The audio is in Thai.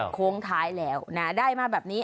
โค้งท้ายแล้วนะได้มาแบบนี้